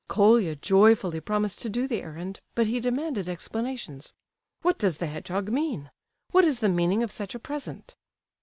Colia joyfully promised to do the errand, but he demanded explanations. "What does the hedgehog mean? What is the meaning of such a present?"